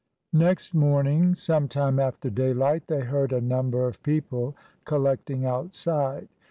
Next morning, some time after daylight, they heard a number of people collecting outside.